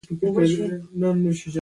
سړي وويل اته بجې کلا ته ورسه.